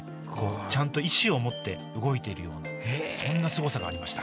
ちゃんと意志を持って動いているようなそんなすごさがありました。